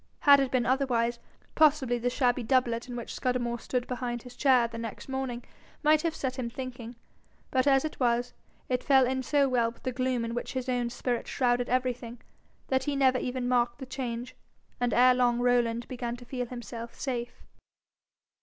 Had it been otherwise, possibly the shabby doublet in which Scudamore stood behind his chair the next morning, might have set him thinking; but as it was, it fell in so well with the gloom in which his own spirit shrouded everything, that he never even marked the change, and ere long Rowland began to feel himself safe.